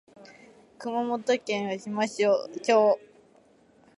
熊本県嘉島町